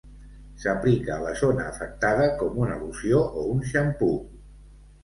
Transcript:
S'aplica a la zona afectada com una loció o un xampú.